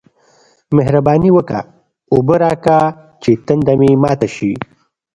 مهرباني وکه! اوبه راکه چې تنده مې ماته شي